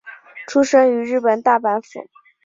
出身于日本大阪府。